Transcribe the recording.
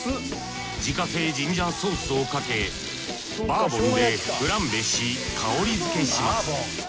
自家製ジンジャーソースをかけバーボンでフランベし香りづけします。